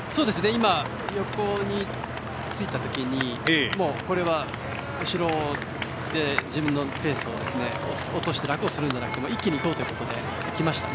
横についた時に後ろで自分のペースを落として楽をするのではなく一気にいこうということで行きましたね。